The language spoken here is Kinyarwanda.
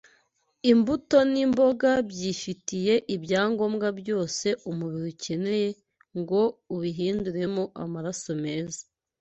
imbuto n’imboga byifitiye ibyangombwa byose umubiri ukeneye ngo ubihinduremo amaraso meza